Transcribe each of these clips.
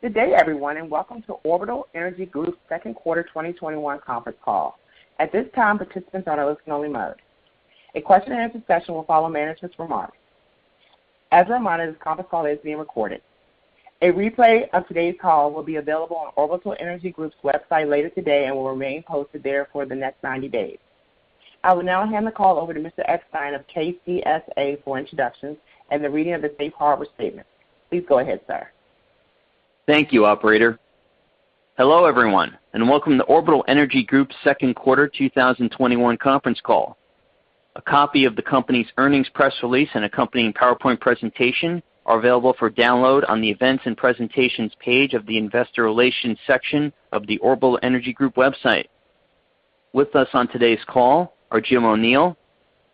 Good day everyone, and welcome to Orbital Energy Group's second quarter 2021 conference call. At this time, participants are in listen-only mode. A question and answer session will follow management's remarks. As a reminder, this conference call is being recorded. A replay of today's call will be available on Orbital Energy Group's website later today and will remain posted there for the next 90 days. I will now hand the call over to Mr. Eckstein of KCSA for introductions and the reading of the safe harbor statement. Please go ahead, sir. Thank you, operator. Hello, everyone, and welcome to Orbital Energy Group's second quarter 2021 conference call. A copy of the company's earnings press release and accompanying PowerPoint presentation are available for download on the Events and Presentations page of the Investor Relations section of the Orbital Energy Group website. With us on today's call are Jim O'Neil,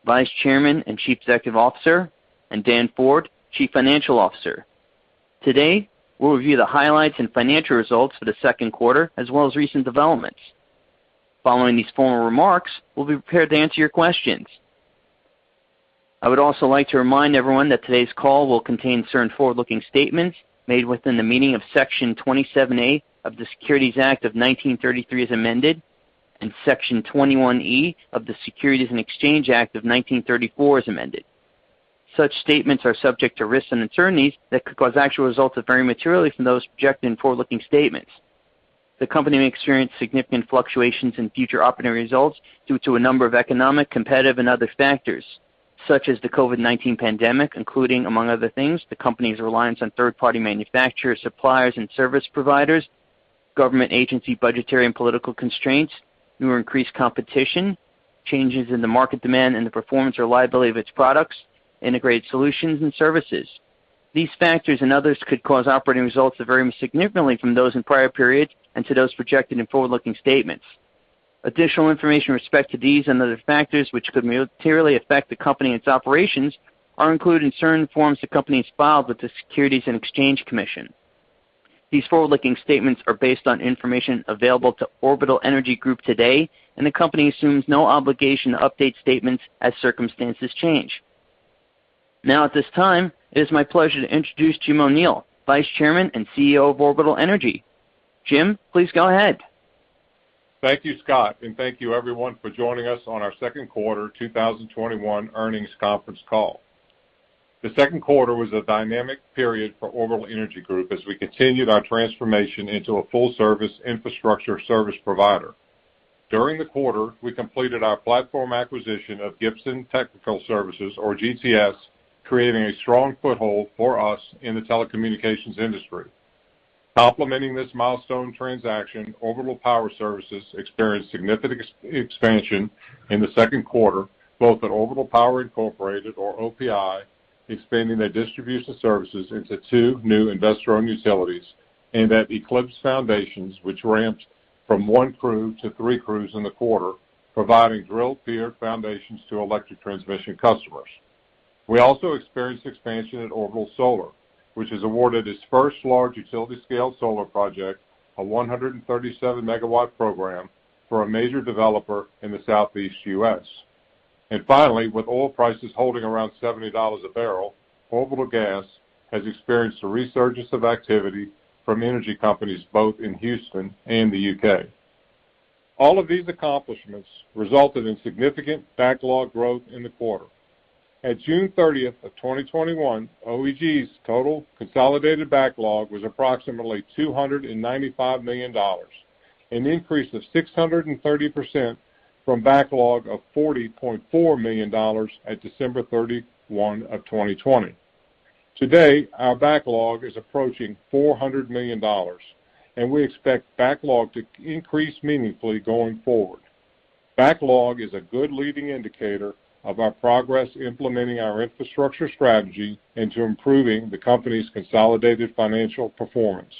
Vice Chairman and Chief Executive Officer, and Dan Ford, Chief Financial Officer. Today, we'll review the highlights and financial results for the second quarter, as well as recent developments. Following these formal remarks, we'll be prepared to answer your questions. I would also like to remind everyone that today's call will contain certain forward-looking statements made within the meaning of Section 27A of the Securities Act of 1933, as amended, and Section 21E of the Securities Exchange Act of 1934, as amended. Such statements are subject to risks and uncertainties that could cause actual results to vary materially from those projected in forward-looking statements. The company may experience significant fluctuations in future operating results due to a number of economic, competitive, and other factors, such as the COVID-19 pandemic, including, among other things, the company's reliance on third-party manufacturers, suppliers, and service providers, government agency budgetary and political constraints, new or increased competition, changes in the market demand and the performance or liability of its products, integrated solutions, and services. These factors and others could cause operating results to vary significantly from those in prior periods and to those projected in forward-looking statements. Additional information with respect to these and other factors which could materially affect the company and its operations are included in certain forms the company has filed with the Securities and Exchange Commission. These forward-looking statements are based on information available to Orbital Energy Group today, and the company assumes no obligation to update statements as circumstances change. Now, at this time, it is my pleasure to introduce Jim O'Neil, Vice Chairman and CEO of Orbital Energy. Jim, please go ahead. Thank you, Scott, and thank you everyone for joining us on our second quarter 2021 earnings conference call. The second quarter was a dynamic period for Orbital Energy Group as we continued our transformation into a full-service infrastructure service provider. During the quarter, we completed our platform acquisition of Gibson Technical Services, or GTS, creating a strong foothold for us in the telecommunications industry. Complementing this milestone transaction, Orbital Power Services experienced significant expansion in the second quarter, both at Orbital Power Inc., or OPI, expanding their distribution services into two new investor-owned utilities, and at Eclipse Foundation, which ramped from one crew to three crews in the quarter, providing drilled pier foundations to electric transmission customers. We also experienced expansion at Orbital Solar, which was awarded its first large utility-scale solar project, a 137 MW program, for a major developer in the Southeast U.S. Finally, with oil prices holding around $70 a barrel, Orbital Gas has experienced a resurgence of activity from energy companies both in Houston and the U.K. All of these accomplishments resulted in significant backlog growth in the quarter. At June 30th of 2021, OEG's total consolidated backlog was approximately $295 million, an increase of 630% from backlog of $40.4 million at December 31 of 2020. Today, our backlog is approaching $400 million, we expect backlog to increase meaningfully going forward. Backlog is a good leading indicator of our progress implementing our infrastructure strategy into improving the company's consolidated financial performance.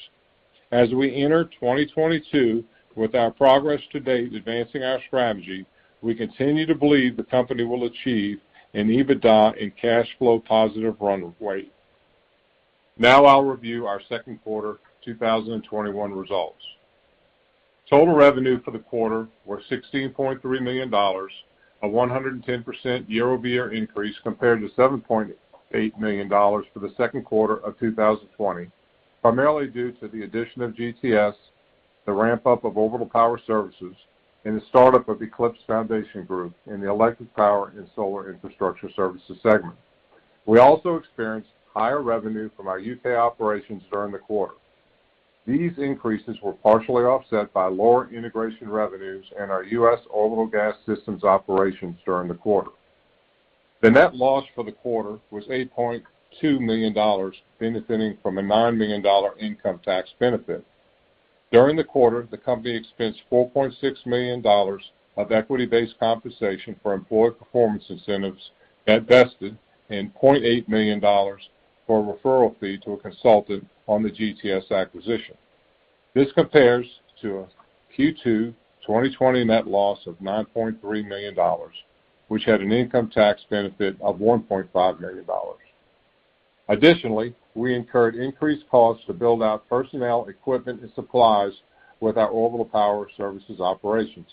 As we enter 2022, with our progress to date advancing our strategy, we continue to believe the company will achieve an EBITDA and cash flow positive run rate. Now I'll review our second quarter 2021 results. Total revenue for the quarter was $16.3 million, a 110% year-over-year increase compared to $7.8 million for the second quarter of 2020, primarily due to the addition of GTS, the ramp-up of Orbital Power Services, and the startup of Eclipse Foundation Group in the electric power and solar infrastructure services segment. We also experienced higher revenue from our U.K. operations during the quarter. These increases were partially offset by lower integration revenues in our U.S. Orbital Gas Systems operations during the quarter. The net loss for the quarter was $8.2 million, benefiting from a $9 million income tax benefit. During the quarter, the company expensed $4.6 million of equity-based compensation for employee performance incentives that vested and $0.8 million for a referral fee to a consultant on the GTS acquisition. This compares to a Q2 2020 net loss of $9.3 million, which had an income tax benefit of $1.5 million. We incurred increased costs to build out personnel, equipment, and supplies with our Orbital Power Services operations.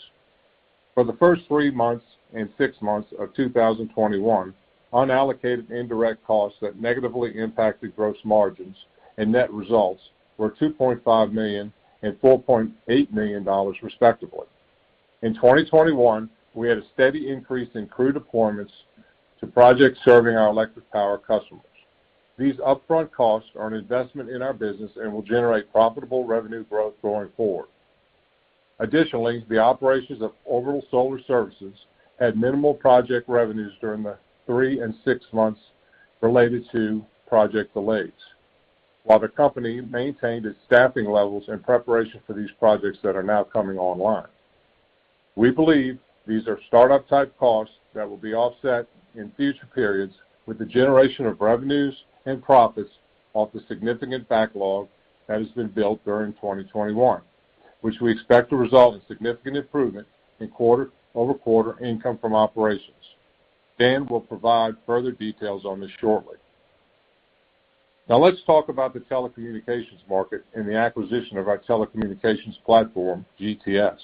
For the first three months and six months of 2021, unallocated indirect costs that negatively impacted gross margins and net results were $2.5 million and $4.8 million respectively. In 2021, we had a steady increase in crew deployments to projects serving our electric power customers. These upfront costs are an investment in our business and will generate profitable revenue growth going forward. The operations of Orbital Solar Services had minimal project revenues during the three and six months related to project delays, while the company maintained its staffing levels in preparation for these projects that are now coming online. We believe these are startup-type costs that will be offset in future periods with the generation of revenues and profits off the significant backlog that has been built during 2021, which we expect to result in significant improvement in quarter-over-quarter income from operations. Dan will provide further details on this shortly. Now let's talk about the telecommunications market and the acquisition of our telecommunications platform, GTS.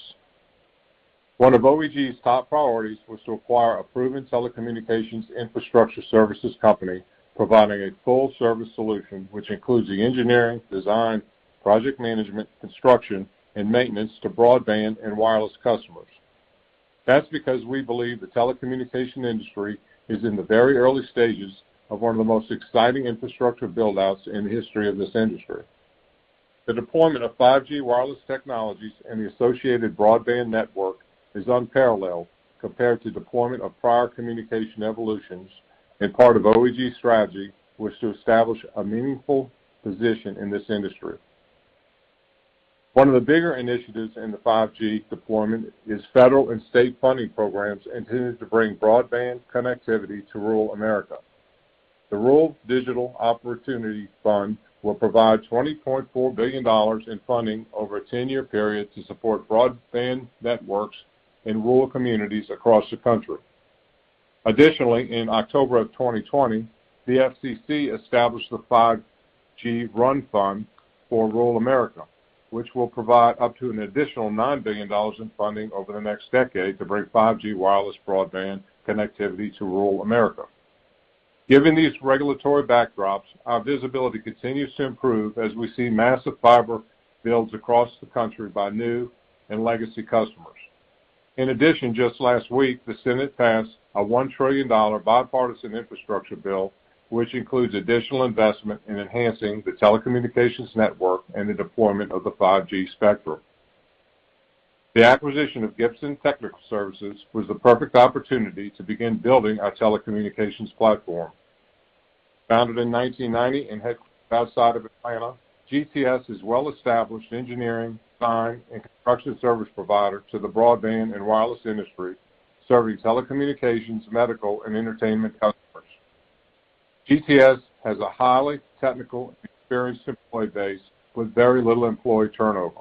One of OEG's top priorities was to acquire a proven telecommunications infrastructure services company providing a full service solution which includes the engineering, design, project management, construction, and maintenance to broadband and wireless customers. That's because we believe the telecommunication industry is in the very early stages of one of the most exciting infrastructure build-outs in the history of this industry. The deployment of 5G wireless technologies and the associated broadband network is unparalleled compared to deployment of prior communication evolutions, part of OEG's strategy was to establish a meaningful position in this industry. One of the bigger initiatives in the 5G deployment is federal and state funding programs intended to bring broadband connectivity to rural America. The Rural Digital Opportunity Fund will provide $20.4 billion in funding over a 10-year period to support broadband networks in rural communities across the country. In October of 2020, the FCC established the 5G Fund for Rural America, which will provide up to an additional $9 billion in funding over the next decade to bring 5G wireless broadband connectivity to rural America. Given these regulatory backdrops, our visibility continues to improve as we see massive fiber builds across the country by new and legacy customers. Just last week, the Senate passed a $1 trillion bipartisan infrastructure bill, which includes additional investment in enhancing the telecommunications network and the deployment of the 5G spectrum. The acquisition of Gibson Technical Services was the perfect opportunity to begin building our telecommunications platform. Founded in 1990 and headquartered outside of Atlanta, GTS is a well-established engineering, design, and construction service provider to the broadband and wireless industry, serving telecommunications, medical, and entertainment customers. GTS has a highly technical and experienced employee base with very little employee turnover.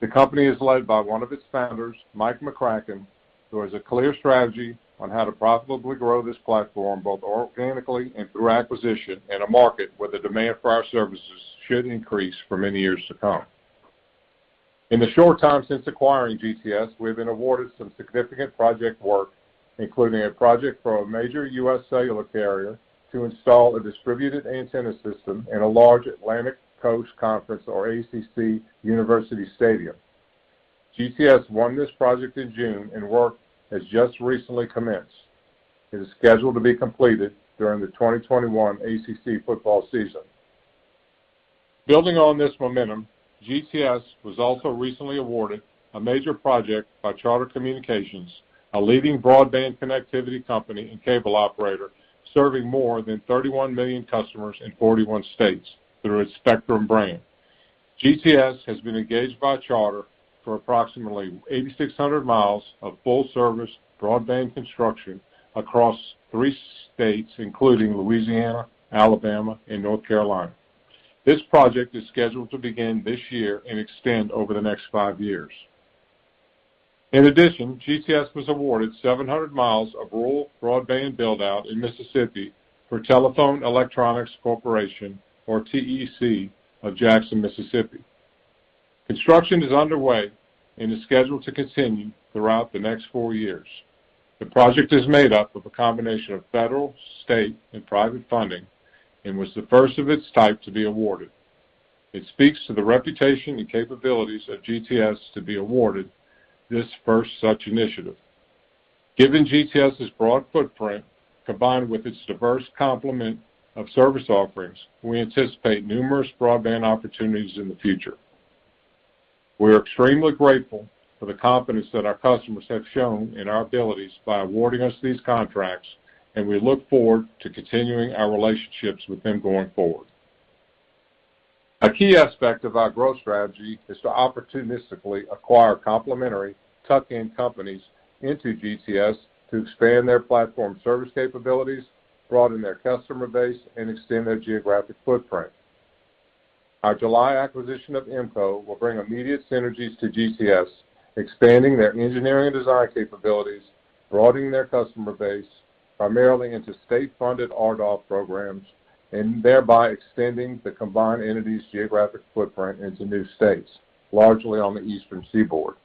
The company is led by one of its founders, Mike McCracken, who has a clear strategy on how to profitably grow this platform both organically and through acquisition in a market where the demand for our services should increase for many years to come. In the short time since acquiring GTS, we've been awarded some significant project work, including a project for a major U.S. cellular carrier to install a distributed antenna system in a large Atlantic Coast Conference, or ACC, university stadium. GTS won this project in June and work has just recently commenced. It is scheduled to be completed during the 2021 ACC football season. Building on this momentum, GTS was also recently awarded a major project by Charter Communications, a leading broadband connectivity company and cable operator serving more than 31 million customers in 41 states through its Spectrum brand. GTS has been engaged by Charter for approximately 8,600 mi of full-service broadband construction across three states, including Louisiana, Alabama, and North Carolina. This project is scheduled to begin this year and extend over the next five years. In addition, GTS was awarded 700 mi of rural broadband build-out in Mississippi for Telephone Electronics Corporation, or TEC, of Jackson, Mississippi. Construction is underway and is scheduled to continue throughout the next four years. The project is made up of a combination of federal, state, and private funding and was the first of its type to be awarded. It speaks to the reputation and capabilities of GTS to be awarded this first such initiative. Given GTS's broad footprint, combined with its diverse complement of service offerings, we anticipate numerous broadband opportunities in the future. We are extremely grateful for the confidence that our customers have shown in our abilities by awarding us these contracts, and we look forward to continuing our relationships with them going forward. A key aspect of our growth strategy is to opportunistically acquire complementary tuck-in companies into GTS to expand their platform service capabilities, broaden their customer base, and extend their geographic footprint. Our July acquisition of IMMCO will bring immediate synergies to GTS, expanding their engineering design capabilities, broadening their customer base primarily into state-funded RDOF programs, and thereby extending the combined entity's geographic footprint into new states, largely on the eastern seaboard.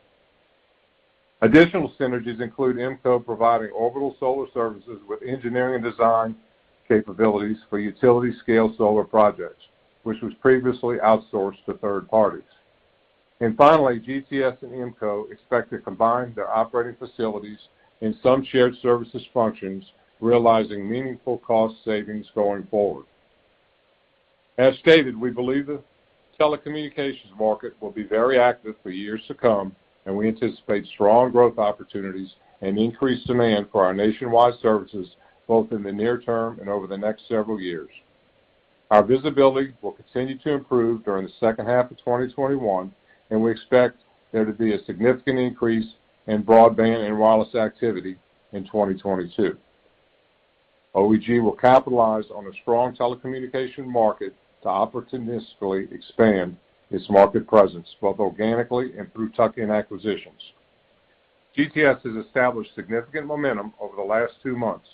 Additional synergies include IMMCO providing Orbital Solar Services with engineering design capabilities for utility-scale solar projects, which was previously outsourced to third parties. Finally, GTS and IMMCO expect to combine their operating facilities in some shared services functions, realizing meaningful cost savings going forward. As stated, we believe the telecommunications market will be very active for years to come, and we anticipate strong growth opportunities and increased demand for our nationwide services, both in the near-term and over the next several years. Our visibility will continue to improve during the second half of 2021, and we expect there to be a significant increase in broadband and wireless activity in 2022. OEG will capitalize on the strong telecommunication market to opportunistically expand its market presence, both organically and through tuck-in acquisitions. GTS has established significant momentum over the last two months,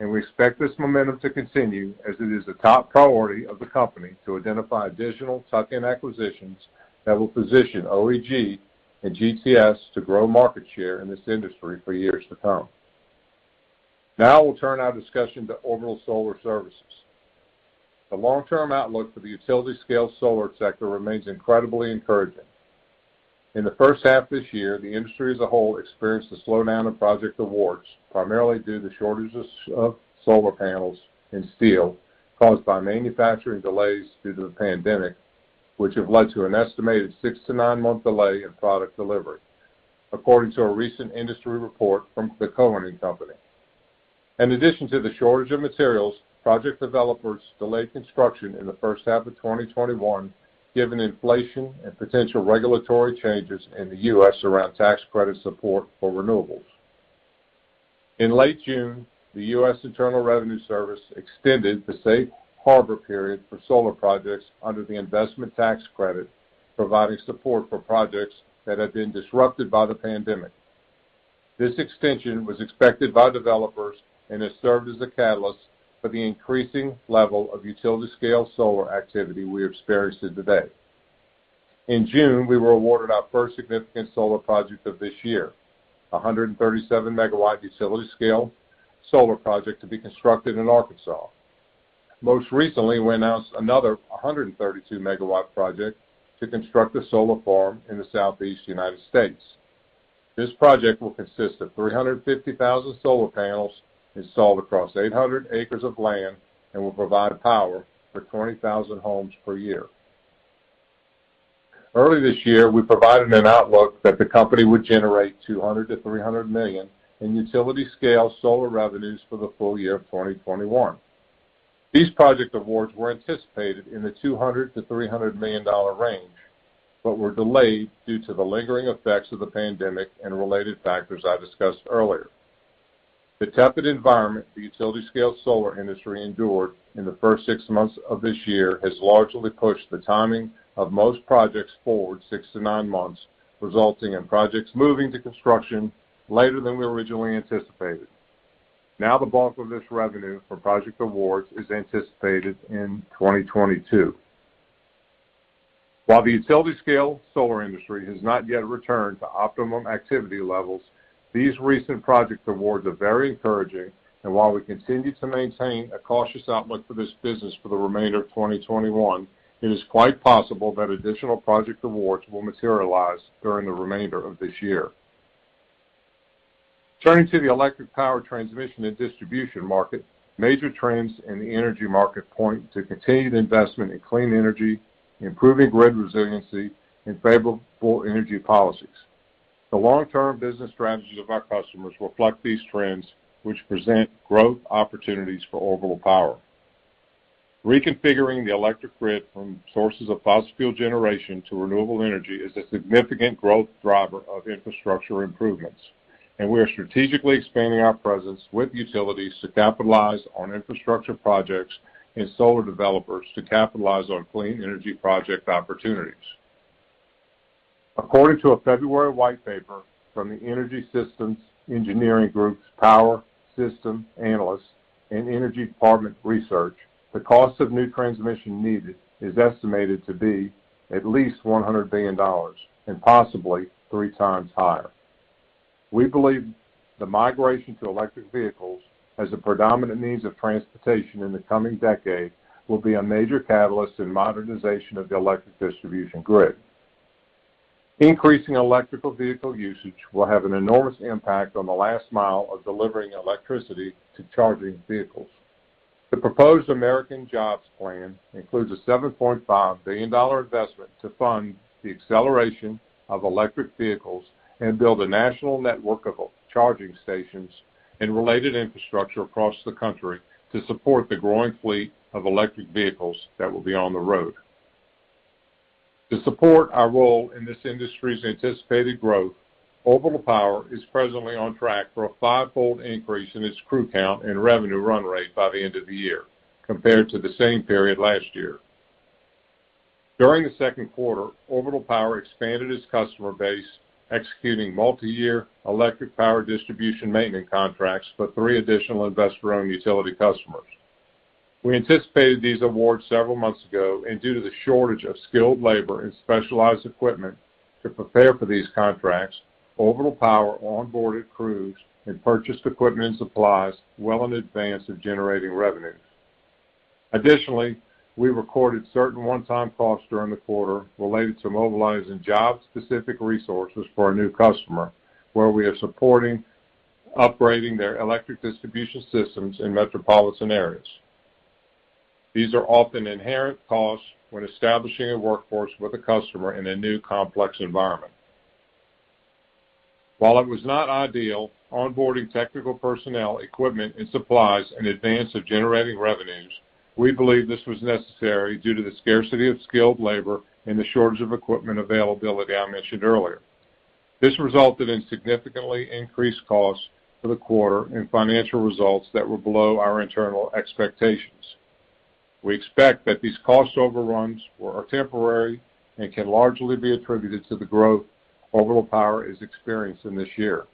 and we expect this momentum to continue as it is a top priority of the company to identify additional tuck-in acquisitions that will position OEG and GTS to grow market share in this industry for years to come. Now we'll turn our discussion to Orbital Solar Services. The long-term outlook for the utility-scale solar sector remains incredibly encouraging. In the first half of this year, the industry as a whole experienced a slowdown in project awards, primarily due to shortages of solar panels and steel caused by manufacturing delays due to the pandemic, which have led to an estimated six to nine month delay in product delivery, according to a recent industry report from Cowen Inc. In addition to the shortage of materials, project developers delayed construction in the first half of 2021, given inflation and potential regulatory changes in the U.S. around tax credit support for renewables. In late June, the U.S. Internal Revenue Service extended the safe harbor period for solar projects under the Investment Tax Credit, providing support for projects that have been disrupted by the pandemic. This extension was expected by developers and has served as a catalyst for the increasing level of utility-scale solar activity we are experiencing today. In June, we were awarded our first significant solar project of this year, a 137 MW utility-scale solar project to be constructed in Arkansas. Most recently, we announced another 132 MW project to construct a solar farm in the Southeast United States. This project will consist of 350,000 solar panels installed across 800 ac of land and will provide power for 20,000 homes per year. Early this year, we provided an outlook that the company would generate $200 million-$300 million in utility-scale solar revenues for the full year of 2021. These project awards were anticipated in the $200 million-$300 million range, but were delayed due to the lingering effects of the pandemic and related factors I discussed earlier. The tepid environment the utility-scale solar industry endured in the first six months of this year has largely pushed the timing of most projects forward six to nine months, resulting in projects moving to construction later than we originally anticipated. Now the bulk of this revenue for project awards is anticipated in 2022. While the utility-scale solar industry has not yet returned to optimum activity levels, these recent project awards are very encouraging, and while we continue to maintain a cautious outlook for this business for the remainder of 2021, it is quite possible that additional project awards will materialize during the remainder of this year. Turning to the electric power transmission and distribution market, major trends in the energy market point to continued investment in clean energy, improving grid resiliency, and favorable energy policies. The long-term business strategies of our customers reflect these trends, which present growth opportunities for Orbital Power. Reconfiguring the electric grid from sources of fossil fuel generation to renewable energy is a significant growth driver of infrastructure improvements, we are strategically expanding our presence with utilities to capitalize on infrastructure projects and solar developers to capitalize on clean energy project opportunities. According to a February white paper from the Energy Systems Integration Group's power system analysts and energy department research, the cost of new transmission needed is estimated to be at least $100 billion, and possibly 3x higher. We believe the migration to electric vehicles as the predominant means of transportation in the coming decade will be a major catalyst in modernization of the electric distribution grid. Increasing electrical vehicle usage will have an enormous impact on the last mile of delivering electricity to charging vehicles. The proposed American Jobs Plan includes a $7.5 billion investment to fund the acceleration of electric vehicles and build a national network of charging stations and related infrastructure across the country to support the growing fleet of electric vehicles that will be on the road. To support our role in this industry's anticipated growth, Orbital Power is presently on track for a five-fold increase in its crew count and revenue run rate by the end of the year compared to the same period last year. During the second quarter, Orbital Power expanded its customer base, executing multi-year electric power distribution maintenance contracts for three additional investor-owned utility customers. We anticipated these awards several months ago, and due to the shortage of skilled labor and specialized equipment to prepare for these contracts, Orbital Power onboarded crews and purchased equipment and supplies well in advance of generating revenue. Additionally, we recorded certain one-time costs during the quarter related to mobilizing job-specific resources for a new customer, where we are supporting upgrading their electric distribution systems in metropolitan areas. These are often inherent costs when establishing a workforce with a customer in a new complex environment. While it was not ideal onboarding technical personnel, equipment, and supplies in advance of generating revenues, we believe this was necessary due to the scarcity of skilled labor and the shortage of equipment availability I mentioned earlier. This resulted in significantly increased costs for the quarter and financial results that were below our internal expectations. We expect that these cost overruns are temporary and can largely be attributed to the growth Orbital Power is experiencing this year.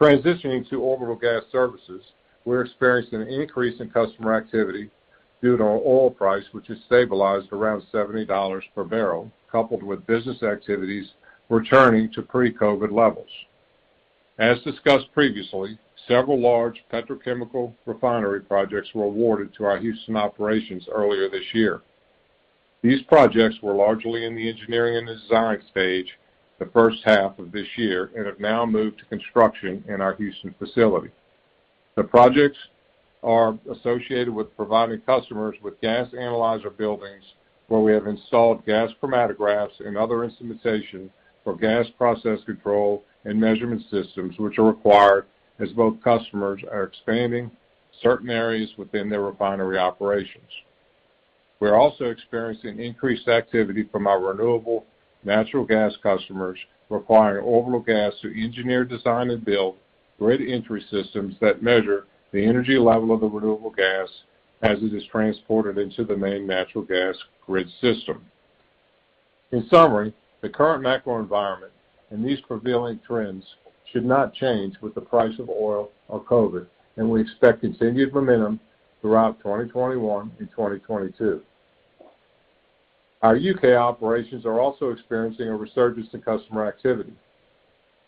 Transitioning to Orbital Gas Services, we're experiencing an increase in customer activity due to oil price, which has stabilized around $70 per bbl, coupled with business activities returning to pre-COVID levels. As discussed previously, several large petrochemical refinery projects were awarded to our Houston operations earlier this year. These projects were largely in the engineering and design stage the first half of this year and have now moved to construction in our Houston facility. The projects are associated with providing customers with gas analyzer buildings, where we have installed gas chromatographs and other instrumentation for gas process control and measurement systems, which are required as both customers are expanding certain areas within their refinery operations. We're also experiencing increased activity from our renewable natural gas customers requiring Orbital Gas to engineer, design, and build grid entry systems that measure the energy level of the renewable gas as it is transported into the main natural gas grid system. In summary, the current macro environment and these prevailing trends should not change with the price of oil or COVID, and we expect continued momentum throughout 2021 and 2022. Our U.K. operations are also experiencing a resurgence in customer activity.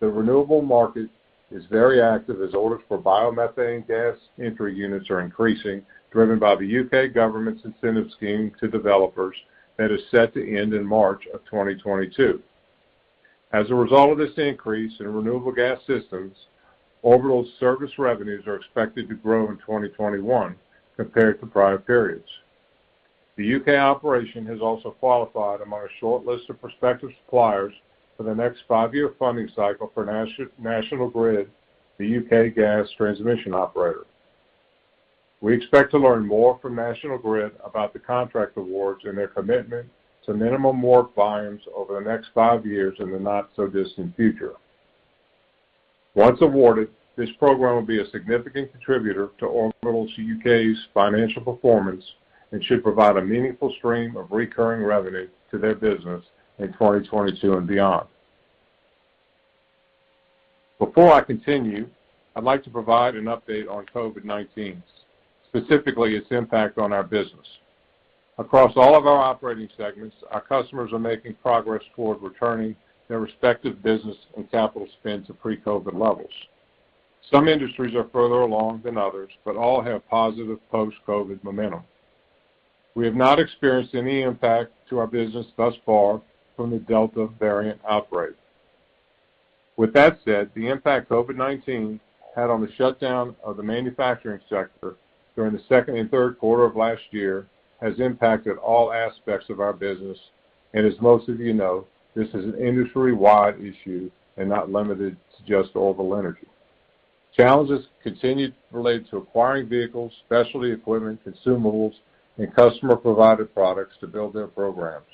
The renewable market is very active as orders for biomethane gas entry units are increasing, driven by the U.K. government's incentive scheme to developers that is set to end in March of 2022. As a result of this increase in renewable gas systems, Orbital's service revenues are expected to grow in 2021 compared to prior periods. The U.K. operation has also qualified on our short list of prospective suppliers for the next five-year funding cycle for National Grid, the U.K. gas transmission operator. We expect to learn more from National Grid about the contract awards and their commitment to minimum work volumes over the next five-years in the not-so-distant future. Once awarded, this program will be a significant contributor to Orbital U.K.'s financial performance and should provide a meaningful stream of recurring revenue to their business in 2022 and beyond. Before I continue, I'd like to provide an update on COVID-19, specifically its impact on our business. Across all of our operating segments, our customers are making progress toward returning their respective business and capital spend to pre-COVID levels. Some industries are further along than others, but all have positive post-COVID momentum. We have not experienced any impact to our business thus far from the Delta variant outbreak. With that said, the impact COVID-19 had on the shutdown of the manufacturing sector during the second and third quarter of last year has impacted all aspects of our business. As most of you know, this is an industry-wide issue and not limited to just Orbital Energy. Challenges continue to relate to acquiring vehicles, specialty equipment, consumables, and customer-provided products to build their programs.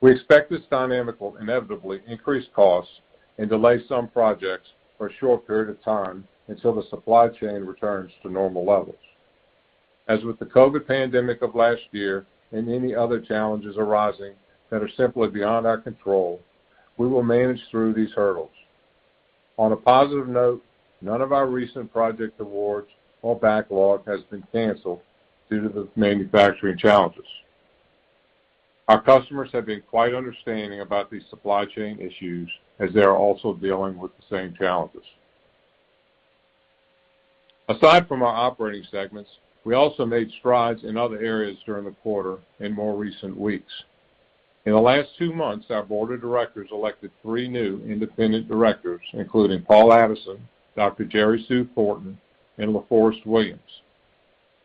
We expect this dynamic will inevitably increase costs and delay some projects for a short period of time until the supply chain returns to normal levels. As with the COVID pandemic of last year and any other challenges arising that are simply beyond our control, we will manage through these hurdles. On a positive note, none of our recent project awards or backlog has been canceled due to the manufacturing challenges. Our customers have been quite understanding about these supply chain issues as they are also dealing with the same challenges. Aside from our operating segments, we also made strides in other areas during the quarter in more recent weeks. In the last two months, our board of directors elected three new independent directors, including Paul Addison, Dr. Jerry Sue Thornton, and La Forrest Williams.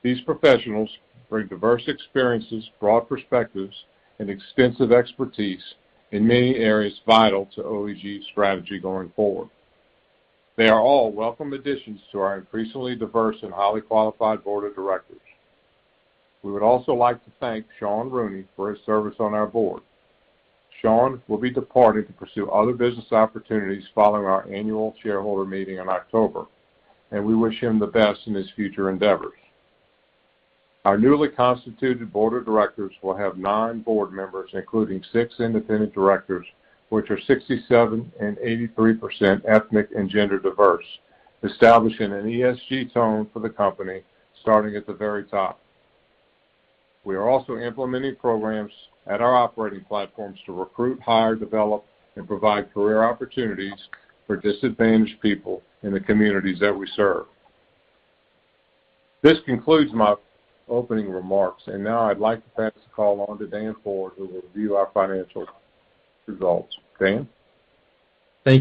These professionals bring diverse experiences, broad perspectives, and extensive expertise in many areas vital to OEG's strategy going forward. They are all welcome additions to our increasingly diverse and highly qualified board of directors. We would also like to thank Sean Rooney for his service on our board. Sean will be departing to pursue other business opportunities following our annual shareholder meeting in October, and we wish him the best in his future endeavors. Our newly constituted board of directors will have nine board members, including six independent directors, which are 67% and 83% ethnic and gender diverse, establishing an ESG tone for the company, starting at the very top. We are also implementing programs at our operating platforms to recruit, hire, develop, and provide career opportunities for disadvantaged people in the communities that we serve. This concludes my opening remarks. Now I'd like to pass the call on to Dan Ford, who will review our financial results. Dan? Thank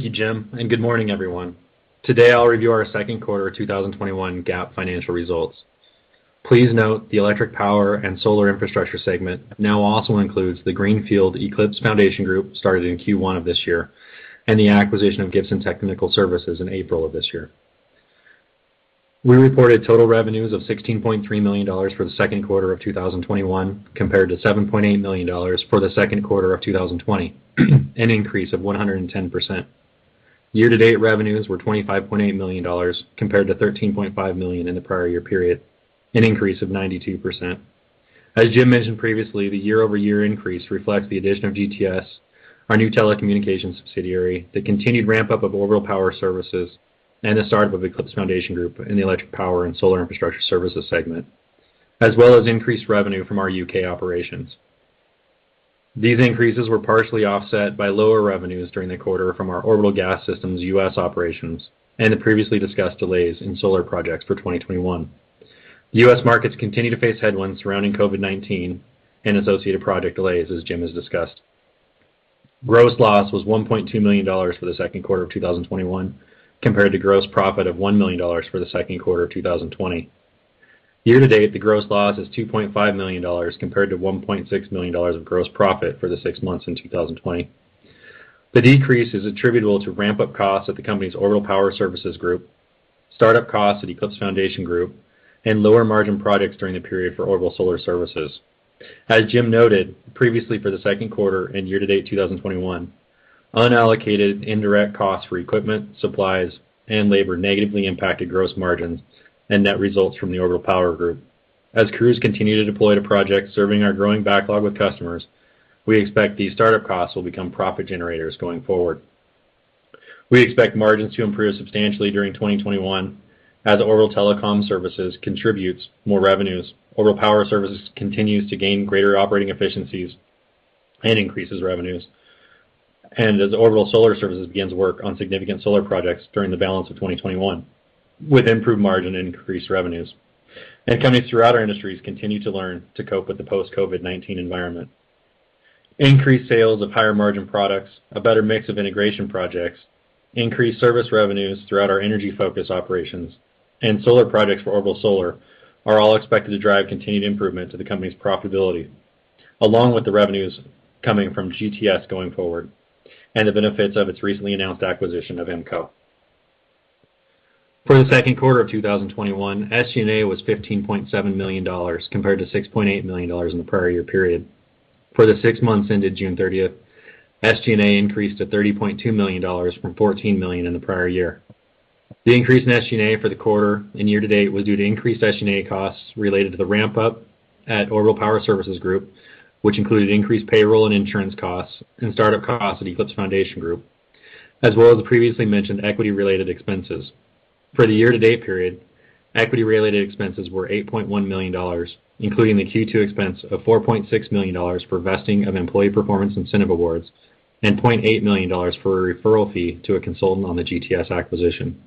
you, Jim. Good morning, everyone. Today, I'll review our second quarter 2021 GAAP financial results. Please note the electric power and solar infrastructure segment now also includes the Greenfield Eclipse Foundation Group, started in Q1 of this year, and the acquisition of Gibson Technical Services in April of this year. We reported total revenues of $16.3 million for the second quarter of 2021, compared to $7.8 million for the second quarter of 2020, an increase of 110%. Year-to-date revenues were $25.8 million, compared to $13.5 million in the prior year period, an increase of 92%. As Jim mentioned previously, the year-over-year increase reflects the addition of GTS, our new telecommunications subsidiary, the continued ramp-up of Orbital Power Services, and the start of Eclipse Foundation Group in the electric power and solar infrastructure services segment, as well as increased revenue from our U.K. operations. These increases were partially offset by lower revenues during the quarter from our Orbital Gas Systems U.S. operations and the previously discussed delays in solar projects for 2021. U.S. markets continue to face headwinds surrounding COVID-19 and associated project delays, as Jim has discussed. Gross loss was $1.2 million for the second quarter of 2021, compared to gross profit of $1 million for the second quarter of 2020. Year-to-date, the gross loss is $2.5 million, compared to $1.6 million of gross profit for the six months in 2020. The decrease is attributable to ramp-up costs at the company's Orbital Power Services group, startup costs at Eclipse Foundation Group, and lower margin projects during the period for Orbital Solar Services. As Jim noted previously for the second quarter and year-to-date 2021, unallocated indirect costs for equipment, supplies, and labor negatively impacted gross margins and net results from the Orbital Power Group. As crews continue to deploy to projects serving our growing backlog with customers, we expect these startup costs will become profit generators going forward. We expect margins to improve substantially during 2021 as Orbital Telecom Services contributes more revenues, Orbital Power Services continues to gain greater operating efficiencies and increases revenues, and as Orbital Solar Services begins work on significant solar projects during the balance of 2021, with improved margin and increased revenues. Companies throughout our industries continue to learn to cope with the post-COVID-19 environment. Increased sales of higher margin products, a better mix of integration projects, increased service revenues throughout our energy-focused operations, and solar projects for Orbital Solar are all expected to drive continued improvement to the company's profitability, along with the revenues coming from GTS going forward and the benefits of its recently announced acquisition of IMMCO. For the second quarter of 2021, SG&A was $15.7 million, compared to $6.8 million in the prior year period. For the six months ended June 30th, SG&A increased to $30.2 million from $14 million in the prior year. The increase in SG&A for the quarter and year-to-date was due to increased SG&A costs related to the ramp-up at Orbital Power Services Group, which included increased payroll and insurance costs and start-up costs at Eclipse Foundation Group, as well as the previously mentioned equity-related expenses. For the year-to-date period, equity-related expenses were $8.1 million, including the Q2 expense of $4.6 million for vesting of employee performance incentive awards and $0.8 million for a referral fee to a consultant on the GTS acquisition.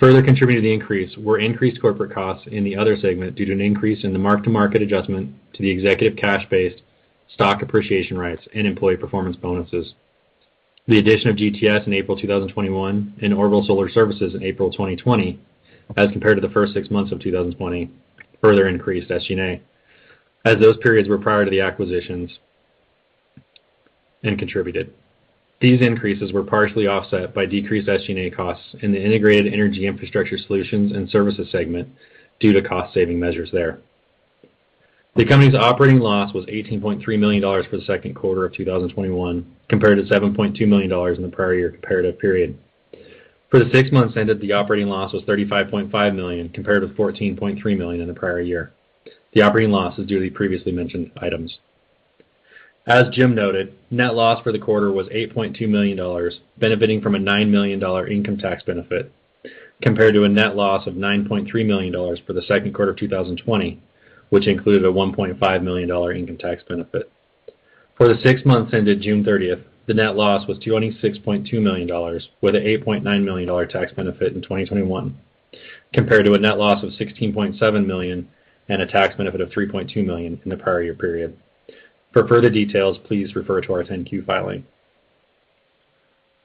Further contributing to the increase were increased corporate costs in the other segment due to an increase in the mark-to-market adjustment to the executive cash-based stock appreciation rights and employee performance bonuses. The addition of GTS in April 2021 and Orbital Solar Services in April 2020 as compared to the first six months of 2020 further increased SG&A, as those periods were prior to the acquisitions and contributed. These increases were partially offset by decreased SG&A costs in the integrated energy infrastructure solutions and services segment due to cost-saving measures there. The company's operating loss was $18.3 million for the second quarter of 2021, compared to $7.2 million in the prior year comparative period. For the six months ended, the operating loss was $35.5 million, compared with $14.3 million in the prior year. The operating loss is due to the previously mentioned items. As Jim noted, net loss for the quarter was $8.2 million, benefiting from a $9 million income tax benefit, compared to a net loss of $9.3 million for the second quarter of 2020, which included a $1.5 million income tax benefit. For the six months ended June 30th, the net loss was $26.2 million, with a $8.9 million tax benefit in 2021, compared to a net loss of $16.7 million and a tax benefit of $3.2 million in the prior year period. For further details, please refer to our 10-Q filing.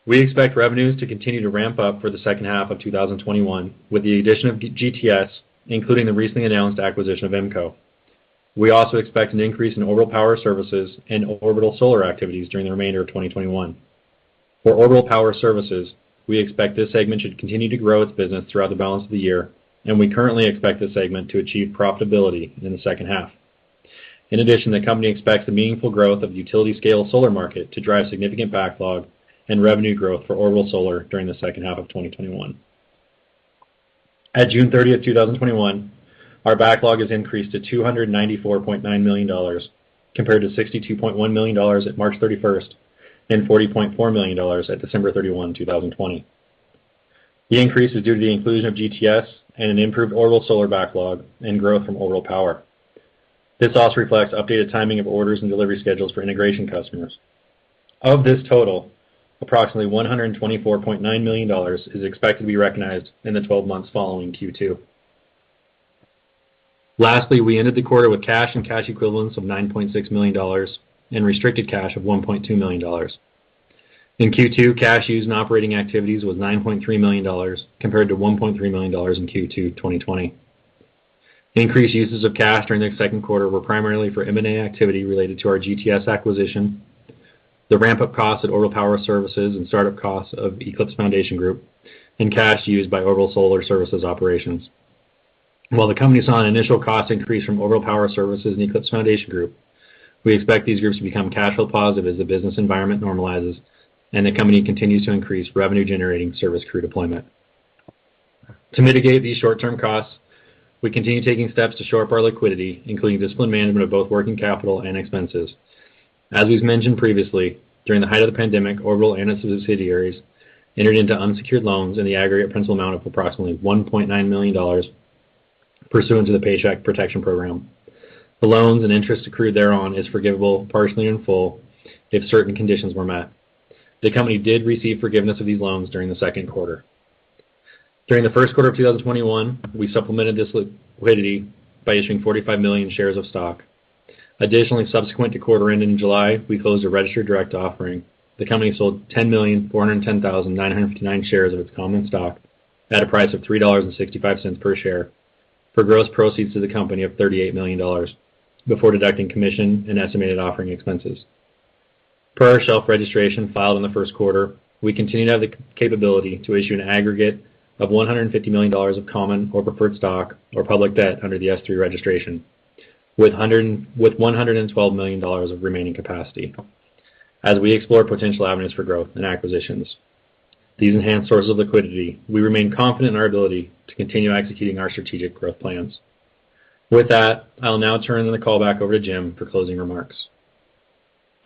We expect revenues to continue to ramp up for the second half of 2021 with the addition of GTS, including the recently announced acquisition of IMMCO. We also expect an increase in Orbital Power Services and Orbital Solar activities during the remainder of 2021. For Orbital Power Services, we expect this segment should continue to grow its business throughout the balance of the year, and we currently expect this segment to achieve profitability in the second half. In addition, the company expects the meaningful growth of the utility-scale solar market to drive significant backlog and revenue growth for Orbital Solar during the second half of 2021. At June 30th, 2021, our backlog has increased to $294.9 million, compared to $62.1 million at March 31st, and $40.4 million at December 31, 2020. The increase is due to the inclusion of GTS and an improved Orbital Solar backlog, and growth from Orbital Power. This also reflects updated timing of orders and delivery schedules for integration customers. Of this total, approximately $124.9 million is expected to be recognized in the 12 months following Q2. Lastly, we ended the quarter with cash and cash equivalents of $9.6 million and restricted cash of $1.2 million. In Q2, cash used in operating activities was $9.3 million, compared to $1.3 million in Q2 2020. Increased uses of cash during the second quarter were primarily for M&A activity related to our GTS acquisition, the ramp-up costs at Orbital Power Services, and start-up costs of Eclipse Foundation Group, and cash used by Orbital Solar Services operations. While the company saw an initial cost increase from Orbital Power Services and Eclipse Foundation Group, we expect these groups to become cash flow positive as the business environment normalizes and the company continues to increase revenue-generating service crew deployment. To mitigate these short-term costs, we continue taking steps to shore up our liquidity, including disciplined management of both working capital and expenses. As we've mentioned previously, during the height of the pandemic, Orbital and its subsidiaries entered into unsecured loans in the aggregate principal amount of approximately $1.9 million, pursuant to the Paycheck Protection Program. The loans and interest accrued thereon is forgivable, partially in full, if certain conditions were met. The company did receive forgiveness of these loans during the second quarter. During the first quarter of 2021, we supplemented this liquidity by issuing 45 million shares of stock. Additionally, subsequent to quarter end in July, we closed a registered direct offering. The company sold 10,410,959 shares of its common stock at a price of $3.65 per share for gross proceeds to the company of $38 million before deducting commission and estimated offering expenses. Per our shelf registration filed in the first quarter, we continue to have the capability to issue an aggregate of $150 million of common or preferred stock or public debt under the S-3 registration, with $112 million of remaining capacity as we explore potential avenues for growth and acquisitions. With these enhanced sources of liquidity, we remain confident in our ability to continue executing our strategic growth plans. With that, I'll now turn the call back over to Jim for closing remarks.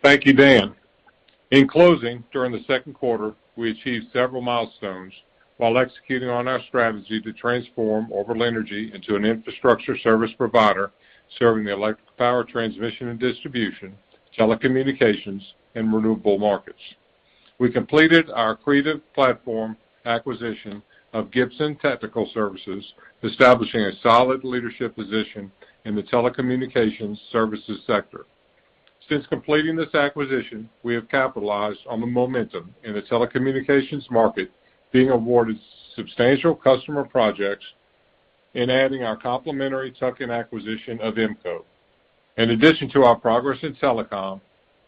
Thank you, Dan. In closing, during the second quarter, we achieved several milestones while executing on our strategy to transform Orbital Energy into an infrastructure service provider, serving the electric power transmission and distribution, telecommunications, and renewable markets. We completed our accretive platform acquisition of Gibson Technical Services, establishing a solid leadership position in the telecommunications services sector. Since completing this acquisition, we have capitalized on the momentum in the telecommunications market, being awarded substantial customer projects and adding our complementary tuck-in acquisition of IMMCO. In addition to our progress in telecom,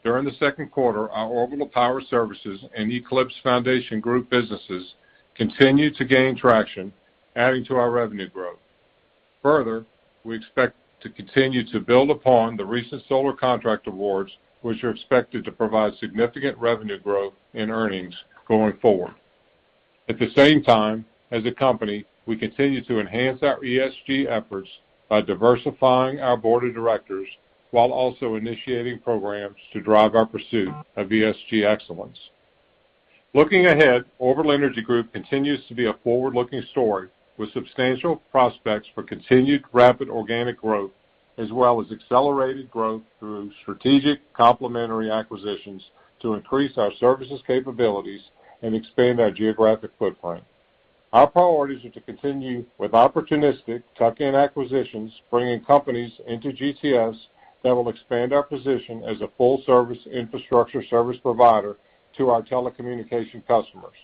during the second quarter, our Orbital Power Services and Eclipse Foundation Group businesses continued to gain traction, adding to our revenue growth. Further, we expect to continue to build upon the recent solar contract awards, which are expected to provide significant revenue growth and earnings going forward. At the same time, as a company, we continue to enhance our ESG efforts by diversifying our board of directors, while also initiating programs to drive our pursuit of ESG excellence. Looking ahead, Orbital Energy Group continues to be a forward-looking story with substantial prospects for continued rapid organic growth, as well as accelerated growth through strategic complementary acquisitions to increase our services capabilities and expand our geographic footprint. Our priorities are to continue with opportunistic tuck-in acquisitions, bringing companies into GTS that will expand our position as a full-service infrastructure service provider to our telecommunication customers.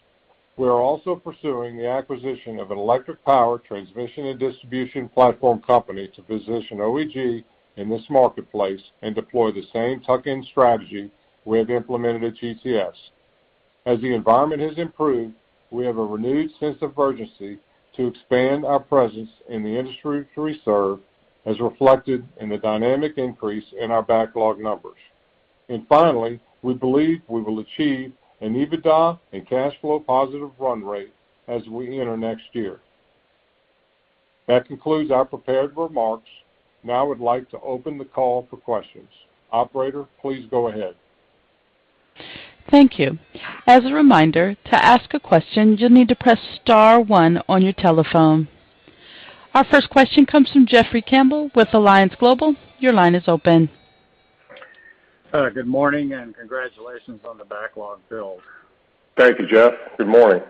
We are also pursuing the acquisition of an electric power transmission and distribution platform company to position OEG in this marketplace and deploy the same tuck-in strategy we have implemented at GTS. As the environment has improved, we have a renewed sense of urgency to expand our presence in the industries we serve, as reflected in the dynamic increase in our backlog numbers. Finally, we believe we will achieve an EBITDA and cash flow positive run rate as we enter next year. That concludes our prepared remarks. Now I would like to open the call for questions. Operator, please go ahead. Thank you. As a reminder, to ask a question, you'll need to press star one on your telephone. Our first question comes from Jeffrey Campbell with Alliance Global. Your line is open. Good morning. Congratulations on the backlog build. Thank you, Jeff. Good morning.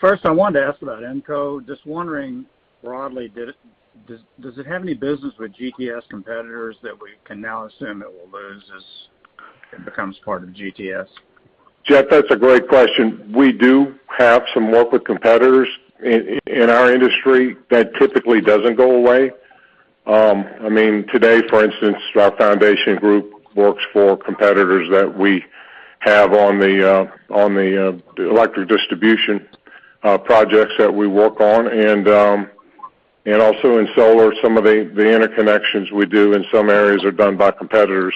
First, I wanted to ask about IMMCO. Just wondering broadly, does it have any business with GTS competitors that we can now assume it will lose as it becomes part of GTS? Jeffrey, that's a great question. We do have some work with competitors in our industry. That typically doesn't go away. Today, for instance, our foundation group works for competitors that we have on the electric distribution projects that we work on. Also in solar, some of the interconnections we do in some areas are done by competitors.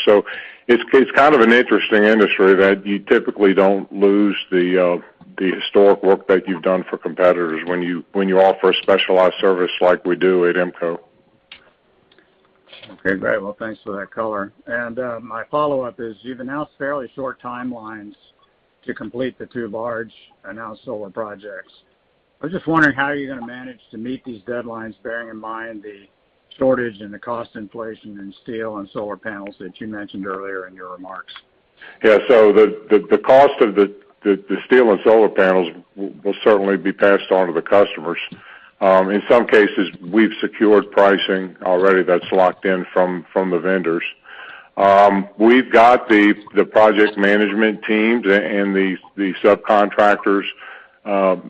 It's kind of an interesting industry that you typically don't lose the historic work that you've done for competitors when you offer a specialized service like we do at IMMCO. Okay, great. Well, thanks for that color. My follow-up is, you've announced fairly short timelines to complete the two large announced solar projects. I was just wondering how you're going to manage to meet these deadlines, bearing in mind the shortage and the cost inflation in steel and solar panels that you mentioned earlier in your remarks. Yeah. The cost of the steel and solar panels will certainly be passed on to the customers. In some cases, we've secured pricing already that's locked in from the vendors. We've got the project management teams and the subcontractors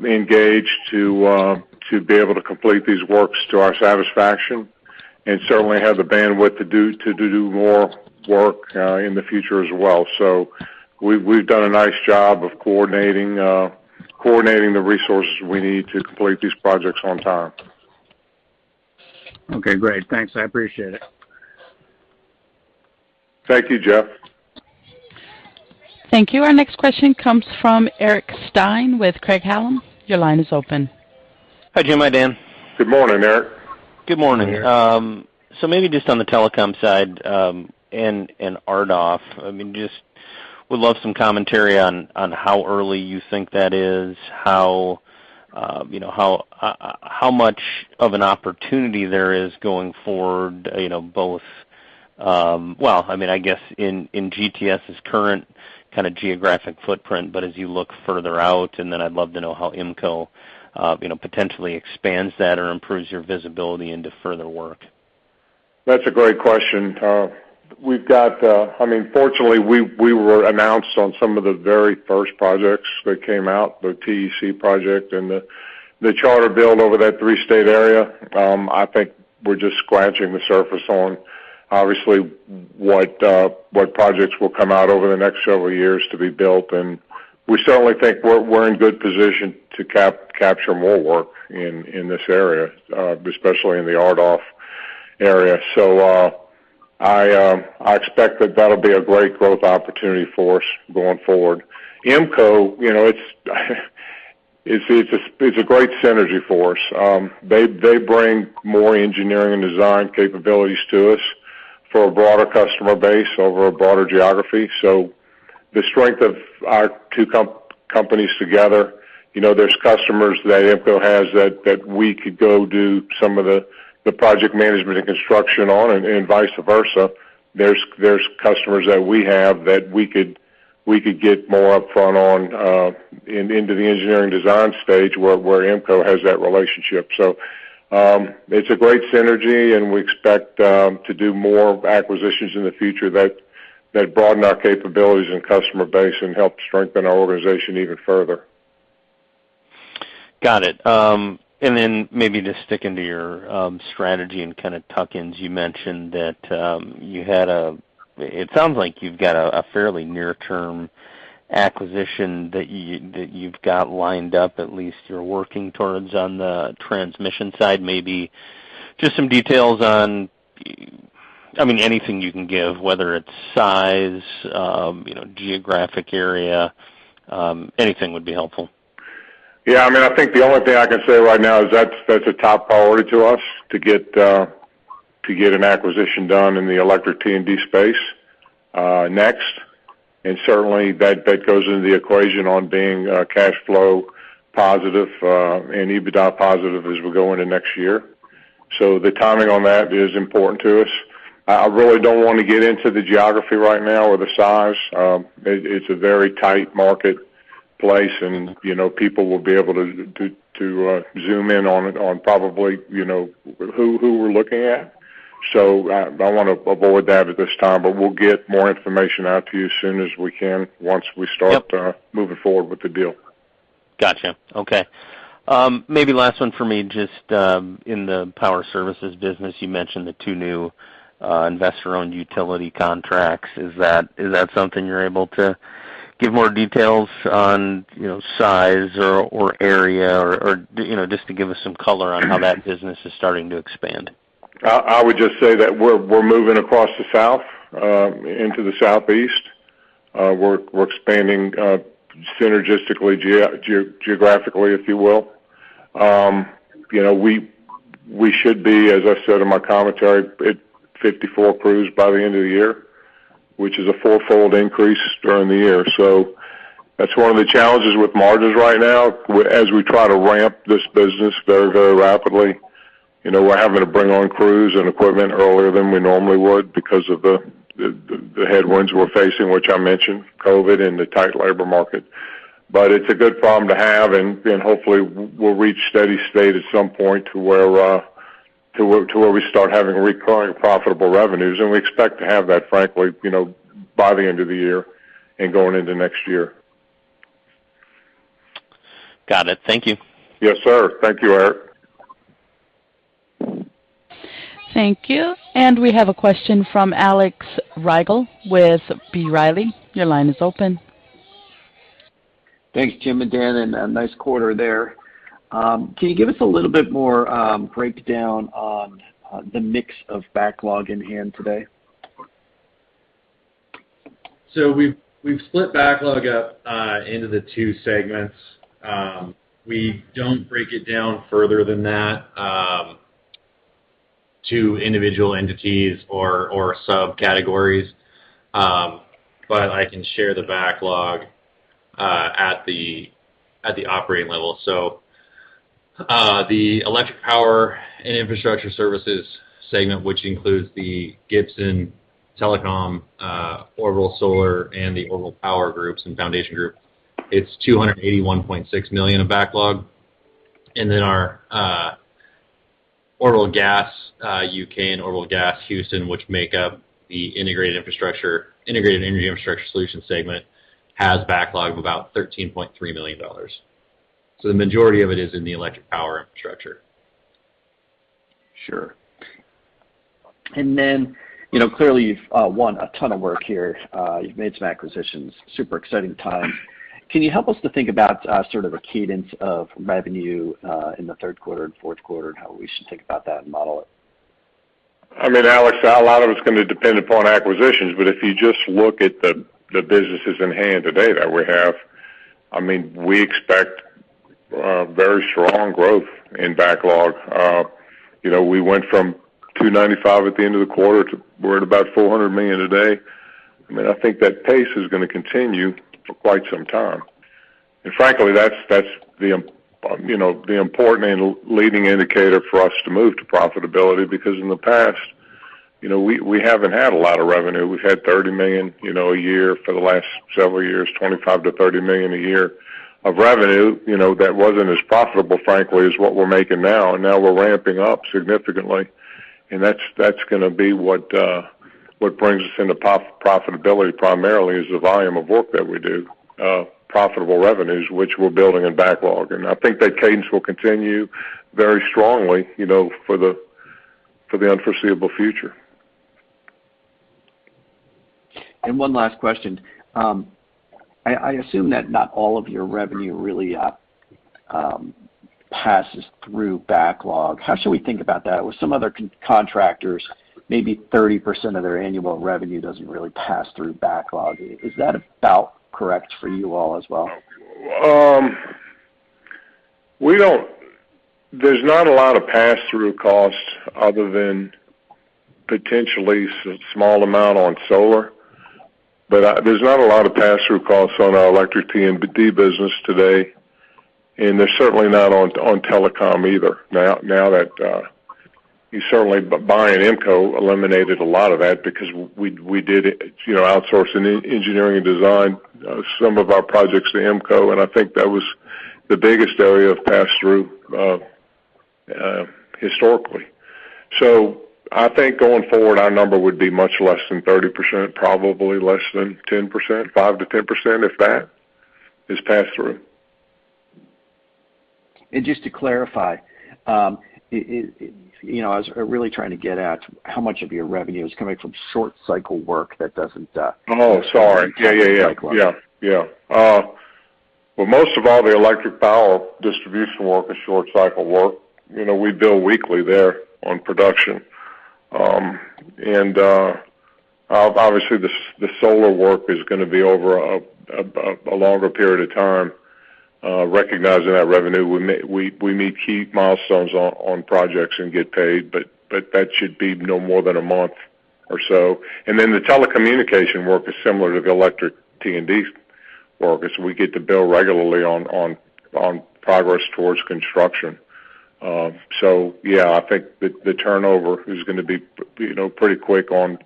engaged to be able to complete these works to our satisfaction, and certainly have the bandwidth to do more work in the future as well. We've done a nice job of coordinating the resources we need to complete these projects on time. Okay, great. Thanks. I appreciate it. Thank you, Jeff. Thank you. Our next question comes from Eric Stine with Craig-Hallum. Your line is open. Hi, Jim. Hi, Dan. Good morning, Eric. Good morning. Maybe just on the telecom side, and RDOF, just would love some commentary on how early you think that is, how much of an opportunity there is going forward, both, I guess, in GTS's current kind of geographic footprint, but as you look further out, and then I'd love to know how IMMCO potentially expands that or improves your visibility into further work. That's a great question. Fortunately, we were announced on some of the very first projects that came out, the TEC project and the Charter build over that three-state area. I think we're just scratching the surface on, obviously, what projects will come out over the next several years to be built. We certainly think we're in good position to capture more work in this area, especially in the RDOF area. I expect that that'll be a great growth opportunity for us going forward. IMMCO, it's a great synergy for us. They bring more engineering and design capabilities to us for a broader customer base over a broader geography. The strength of our two companies together, there's customers that IMMCO has that we could go do some of the project management and construction on, and vice versa. There's customers that we have that we could get more upfront on into the engineering design stage, where IMMCO has that relationship. It's a great synergy, and we expect to do more acquisitions in the future that broaden our capabilities and customer base and help strengthen our organization even further. Got it. Then maybe just sticking to your strategy and kind of tuck-ins, you mentioned that it sounds like you've got a fairly near-term acquisition that you've got lined up, at least you're working towards on the transmission side. Maybe just some details on anything you can give, whether it's size, geographic area, anything would be helpful. Yeah. I think the only thing I can say right now is that's a top priority to us to get an acquisition done in the electric T&D space next. Certainly, that goes into the equation on being cash flow positive and EBITDA positive as we go into next year. The timing on that is important to us. I really don't want to get into the geography right now or the size. It's a very tight marketplace, and people will be able to zoom in on it, on probably who we're looking at. I want to avoid that at this time, but we'll get more information out to you as soon as we can. Yep. Moving forward with the deal. Got you. Okay. Maybe last one for me, just in the power services business, you mentioned the 2 new investor-owned utility contracts. Is that something you're able to give more details on size or area or just to give us some color on how that business is starting to expand? I would just say that we're moving across the South into the Southeast. We're expanding synergistically, geographically, if you will. We should be, as I said in my commentary, at 54 crews by the end of the year, which is a fourfold increase during the year. That's one of the challenges with margins right now. As we try to ramp this business very rapidly, we're having to bring on crews and equipment earlier than we normally would because of the headwinds we're facing, which I mentioned, COVID and the tight labor market. It's a good problem to have, and hopefully, we'll reach steady state at some point to where we start having recurring profitable revenues. We expect to have that, frankly, by the end of the year and going into next year. Got it. Thank you. Yes, sir. Thank you, Eric. Thank you. We have a question from Alex Rygiel with B. Riley. Your line is open. Thanks, Jim and Dan, and a nice quarter there. Can you give us a little bit more breakdown on the mix of backlog in hand today? We've split backlog up into the two segments. We don't break it down further than that to individual entities or subcategories. I can share the backlog at the operating level. The electric power and infrastructure services segment, which includes the Gibson Telecom, Orbital Solar, and the Orbital Power Groups and Foundation Group, it's $281.6 million of backlog. Our Orbital Gas U.K. and Orbital Gas Houston, which make up the integrated energy infrastructure solution segment, has backlog of about $13.3 million. The majority of it is in the electric power infrastructure. Sure. Clearly you've won a ton of work here. You've made some acquisitions. Super exciting time. Can you help us to think about sort of a cadence of revenue in the third quarter and fourth quarter, and how we should think about that and model it? Alex, a lot of it's going to depend upon acquisitions, but if you just look at the businesses in hand today that we have, we expect very strong growth in backlog. We went from $295 million at the end of the quarter to we're at about $400 million today. I think that pace is going to continue for quite some time. Frankly, that's the important and leading indicator for us to move to profitability because in the past we haven't had a lot of revenue. We've had $30 million a year for the last several years, $25 million-$30 million a year of revenue. That wasn't as profitable, frankly, as what we're making now. Now we're ramping up significantly, and that's going to be what brings us into profitability primarily is the volume of work that we do, profitable revenues, which we're building in backlog. I think that cadence will continue very strongly for the unforeseeable future. One last question. I assume that not all of your revenue really passes through backlog. How should we think about that? With some other contractors, maybe 30% of their annual revenue doesn't really pass through backlog. Is that about correct for you all as well? There's not a lot of pass-through costs other than potentially a small amount on solar. There's not a lot of pass-through costs on our electric T&D business today, and they're certainly not on telecom either. Now that certainly buying IMMCO eliminated a lot of that because we did outsource engineering and design some of our projects to IMMCO, and I think that was the biggest area of pass-through historically. I think going forward, our number would be much less than 30%, probably less than 10%, 5%-10%, if that, is pass-through. Just to clarify, I was really trying to get at how much of your revenue is coming from short cycle work. Oh, sorry. Yeah. Well, most of all the electric power distribution work is short cycle work. We bill weekly there on production. Obviously the solar work is going to be over a longer period of time, recognizing that revenue. We meet key milestones on projects and get paid, but that should be no more than a month or so. The telecommunication work is similar to the electric T&D work, is we get to bill regularly on progress towards construction. Yeah, I think the turnover is going to be pretty quick on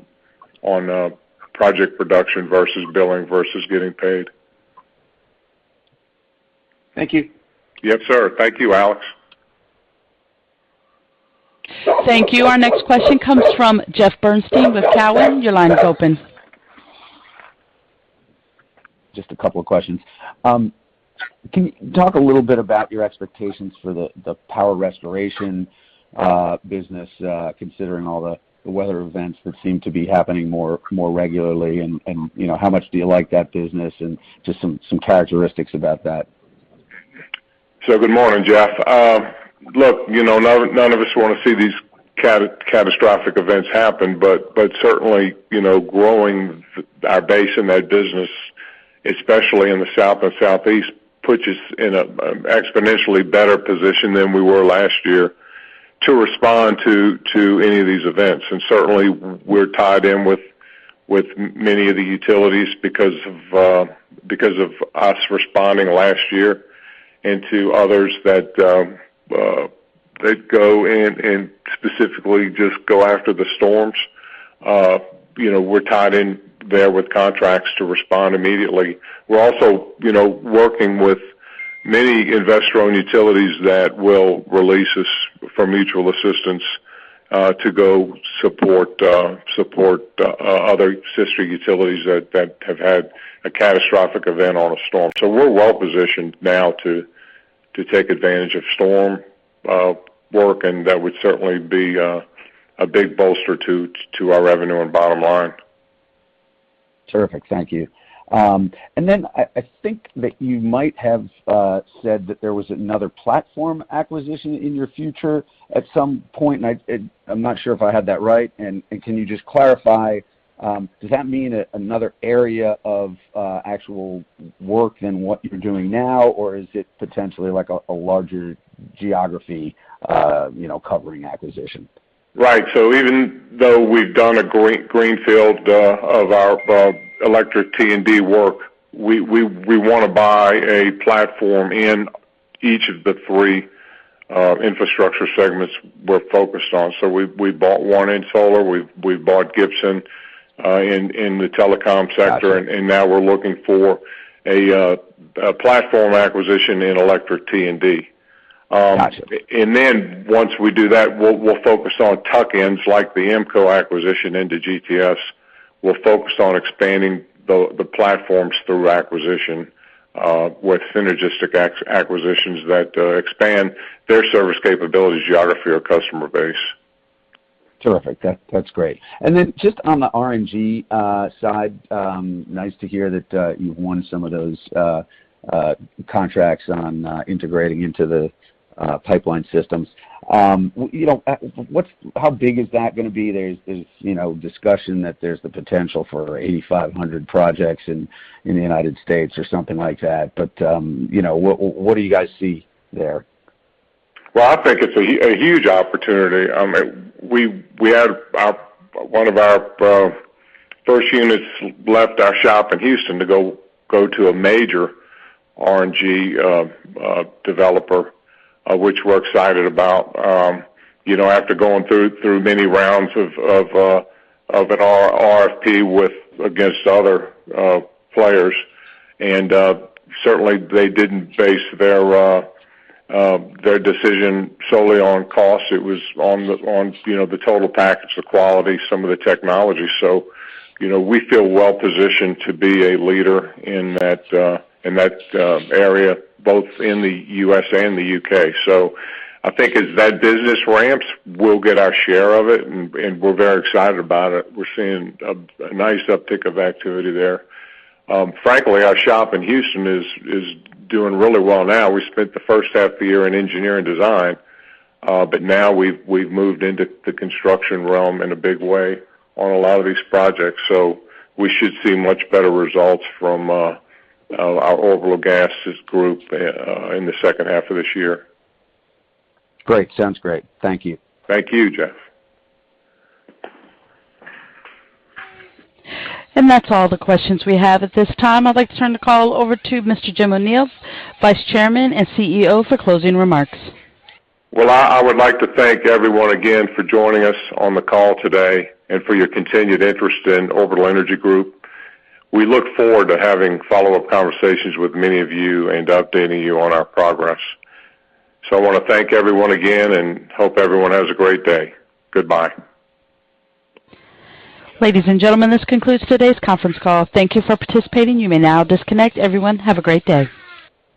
project production versus billing versus getting paid. Thank you. Yes, sir. Thank you, Alex. Thank you. Our next question comes from Jeff Bernstein with Cowen. Your line is open. Just a couple of questions. Can you talk a little bit about your expectations for the power restoration business, considering all the weather events that seem to be happening more regularly, and how much do you like that business? Just some characteristics about that. Good morning, Jeff. None of us want to see these catastrophic events happen, but certainly, growing our base in that business, especially in the south and southeast, puts us in an exponentially better position than we were last year to respond to any of these events. Certainly we're tied in with many of the utilities because of us responding last year, and to others that go in and specifically just go after the storms. We're tied in there with contracts to respond immediately. We're also working with many investor-owned utilities that will release us for mutual assistance to go support other sister utilities that have had a catastrophic event on a storm. We're well-positioned now to take advantage of storm work, and that would certainly be a big bolster to our revenue and bottom line. Terrific. Thank you. I think that you might have said that there was another platform acquisition in your future at some point. I'm not sure if I have that right. Can you just clarify, does that mean another area of actual work than what you're doing now, or is it potentially a larger geography covering acquisition? Right. Even though we've done a great greenfield of our electric T&D work, we want to buy a platform in each of the three infrastructure segments we're focused on. We bought one in solar, we've bought Gibson in the telecom sector. Got you. Now we're looking for a platform acquisition in electric T&D. Got you. Once we do that, we'll focus on tuck-ins like the IMMCO acquisition into GTS. We'll focus on expanding the platforms through acquisition with synergistic acquisitions that expand their service capabilities, geography, or customer base. Terrific. That's great. Then just on the RNG side, nice to hear that you've won some of those contracts on integrating into the pipeline systems. How big is that going to be? There's discussion that there's the potential for 8,500 projects in the United States or something like that. What do you guys see there? Well, I think it's a huge opportunity. One of our first units left our shop in Houston to go to a major RNG developer, which we're excited about. After going through many rounds of an RFP against other players, and certainly they didn't base their decision solely on cost. It was on the total package of quality, some of the technology. We feel well-positioned to be a leader in that area, both in the U.S. and the U.K. I think as that business ramps, we'll get our share of it, and we're very excited about it. We're seeing a nice uptick of activity there. Frankly, our shop in Houston is doing really well now. We spent the first half of the year in engineering design, but now we've moved into the construction realm in a big way on a lot of these projects. We should see much better results from our Orbital Gas Systems group in the second half of this year. Great. Sounds great. Thank you. Thank you, Jeff. That's all the questions we have at this time. I'd like to turn the call over to Mr. Jim O'Neil, Vice Chairman and CEO, for closing remarks. Well, I would like to thank everyone again for joining us on the call today and for your continued interest in Orbital Energy Group. We look forward to having follow-up conversations with many of you and updating you on our progress. I want to thank everyone again and hope everyone has a great day. Goodbye. Ladies and gentlemen, this concludes today's conference call. Thank you for participating. You may now disconnect. Everyone, have a great day.